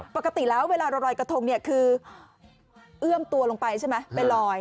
ปกติแล้วเวลาเราลอยกระทงเนี่ยคือเอื้อมตัวลงไปใช่ไหมไปลอย